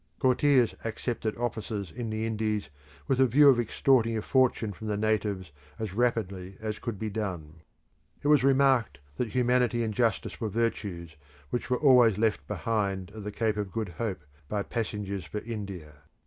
Courtiers accepted offices in the Indies with the view of extorting a fortune from the natives as rapidly as could be done. It was remarked that humanity and justice were virtues which were always left behind at the Cape of Good Hope by passengers for India.